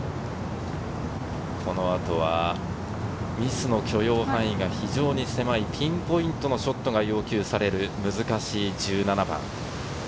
この後はミスの許容範囲が非常に狭いピンポイントのショットが要求される、難しい１７番。